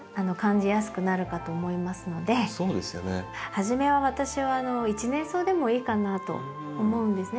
初めは私は一年草でもいいかなと思うんですね。